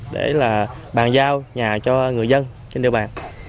đó là bàn giao nhà cho người dân trên đường bàn